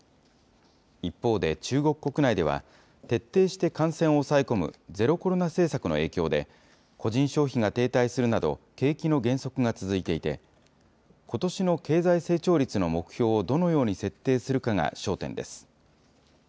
一方で中国国内では、徹底して感染を抑え込むゼロコロナ政策の影響で、個人消費が停滞するなど、景気の減速が続いていて、ことしの経済成長率の目標をどのように設定するかが焦点です。